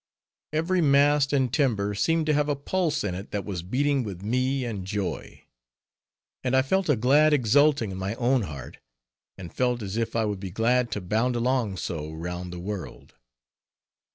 Every mast and timber seemed to have a pulse in it that was beating with life and joy; and I felt a wild exulting in my own heart, and felt as if I would be glad to bound along so round the world.